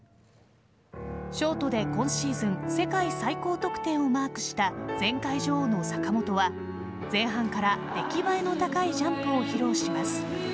ショートで今シーズン世界最高得点をマークした全会場の坂本は前半から出来栄えの高いジャンプを披露します。